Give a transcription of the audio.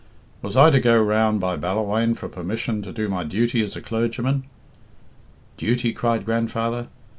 Was I to go round by Ballawhaine for permission to do my duty as a clergyman?' 'Duty!' cried grandfather.